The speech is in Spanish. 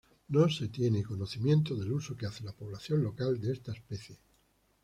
No se tiene conocimiento del uso que hace la población local de esta especie.